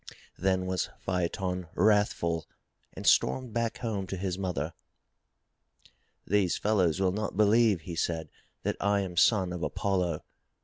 Then was Phaeton wrathful and stormed back home to his mother. "These fellows will not believe," he said, "that I am son of Apollo.